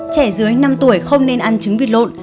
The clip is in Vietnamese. trẻ dưới năm tuổi không nên ăn trứng vịt lộn